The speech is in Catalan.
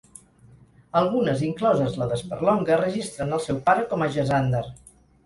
Algunes, incloses la de Sperlonga, registren el seu pare com Agesander.